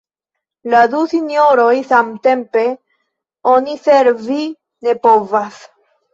Al du sinjoroj samtempe oni servi ne povas.